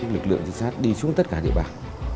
lực lượng chính xác đi xuống tất cả địa bàn